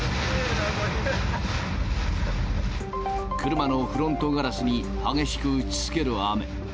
車のフロントガラスに激しく打ちつける雨。